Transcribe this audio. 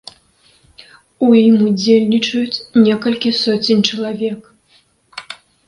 У ім удзельнічаюць некалькі соцень чалавек.